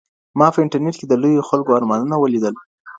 ما په انټرنیټ کي د لویو خلکو ارمانونه ولیدل.